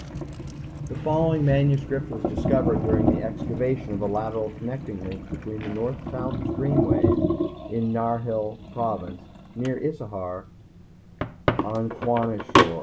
_ The following manuscript was discovered during the excavation of a lateral connecting link between the North South streamways in Narhil Province near Issahar on Kwashior.